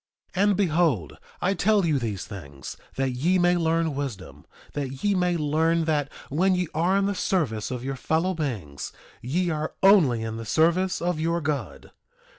2:17 And behold, I tell you these things that ye may learn wisdom; that ye may learn that when ye are in the service of your fellow beings ye are only in the service of your God.